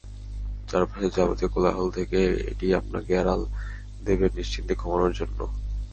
চারপাশের যাবতীয় কোলাহল থেকে এটি আপনাকে আড়াল দেবে নিশ্চিন্তে ঘুমানোর জন্য।